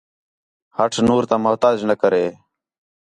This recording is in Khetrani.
ہٹ نور تا محتاج نہ کرے